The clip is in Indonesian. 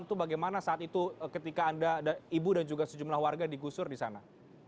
itu bagaimana saat itu ketika anda ibu dan juga sejumlah warga digusur di sana